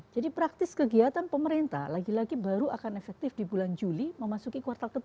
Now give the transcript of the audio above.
jadi praktis kegiatan pemerintah lagi lagi baru akan efektif di bulan juli memasuki kuartal ke tiga